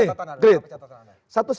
oh jelas itu mah